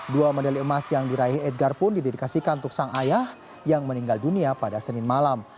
dua medali emas yang diraih edgar pun didedikasikan untuk sang ayah yang meninggal dunia pada senin malam